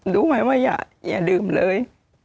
ดูไว้ว่าอย่าดื่มเลย